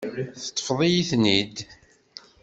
Teṭṭfeḍ-iyi-ten-id.